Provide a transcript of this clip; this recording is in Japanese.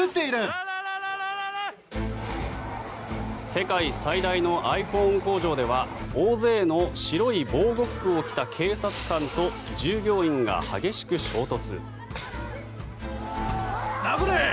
世界最大のｉＰｈｏｎｅ工場では大勢の白い防護服を着た警察官と従業員が激しく衝突。